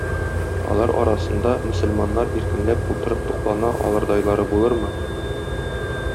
Алар арасында мөселманнар иркенләп утырып туклана алырдайлары булырмы?